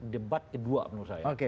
debat kedua menurut saya